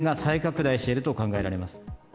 感染が再拡大していると考えられます。